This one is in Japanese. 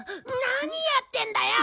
何やってんだよ！